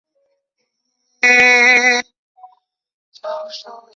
高架地下未确定过。